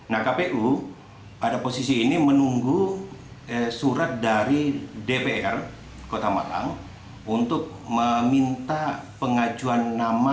nah kpu pada posisi ini menunggu surat dari dpr kota malang untuk meminta pengajuan nama